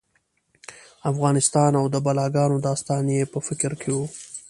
افغانستان او د بلاګانو داستان یې په فکر کې و.